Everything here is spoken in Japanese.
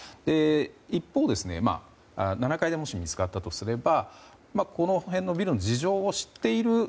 一方、７階でもし見つかったとすればこの辺のビルの事情を知っている。